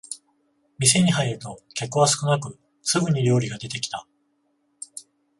店に入ると客は少なくすぐに料理が出てきた